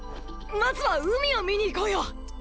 まずは海を見に行こうよ！！